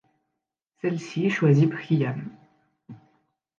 Celle-ci choisit Priam.